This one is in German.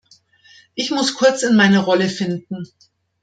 Ich muss kurz in meine Rolle finden.